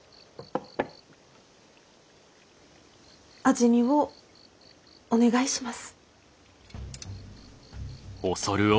味見をお願いします。